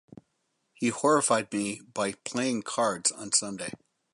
He horrified me by playing cards on Sunday.